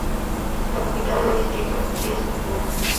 La capital del distrito es Bulle.